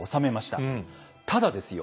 ただですよ